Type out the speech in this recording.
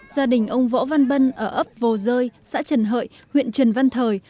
gia đình ông võ văn bân ở ấp vồ rơi xã trần hợi huyện trần văn thời